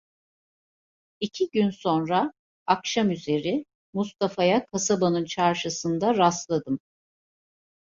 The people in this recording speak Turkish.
İki gün sonra akşamüzeri Mustafa'ya kasabanın çarşısında rastladım.